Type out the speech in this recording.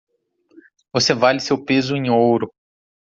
Você vale seu peso em ouro.